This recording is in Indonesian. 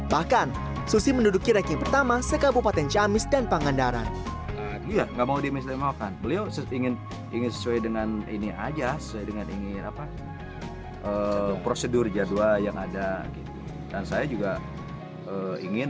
bahkan susi menduduki reking pertama sekabupaten camis dan pangasin